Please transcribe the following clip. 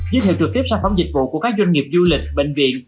giới thiệu trực tiếp sản phẩm dịch vụ của các doanh nghiệp du lịch bệnh viện